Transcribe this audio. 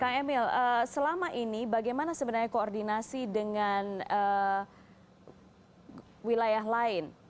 kang emil selama ini bagaimana sebenarnya koordinasi dengan wilayah lain